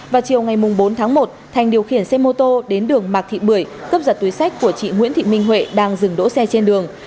vào chiều ngày bốn tháng một thành điều khiển xe mô tô đến đường mạc thị bưởi cướp giật túi sách của chị nguyễn thị minh huệ đang dừng đỗ xe trên đường